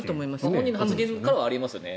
本人の発言からはあり得ますよね。